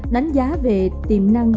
đánh giá về tiềm năng